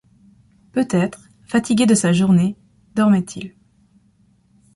Peut-être, fatigué de sa journée, dormait-il